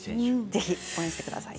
ぜひ応援してください。